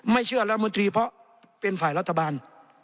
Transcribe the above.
ไม่เชื่อรัฐมนตรีเพราะเป็นฝ่ายรัฐบาล